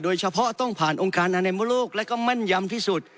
โดยเฉพาะต้องผ่านองค์การอนามโลกและก็แม่นยำที่สุด